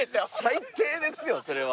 最低ですよそれは。